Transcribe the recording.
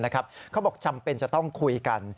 เขาบอกจำเป็นจะต้องคุยกัน